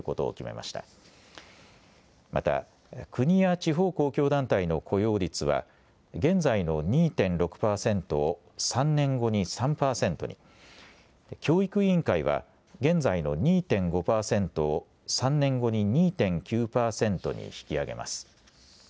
また国や地方公共団体の雇用率は現在の２．６％を３年後に３％に、教育委員会は現在の２．５％を３年後に２．９％に引き上げます。